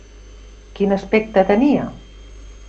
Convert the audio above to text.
Quin aspecte tenia?